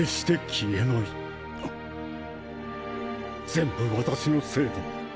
全部私のせいだ。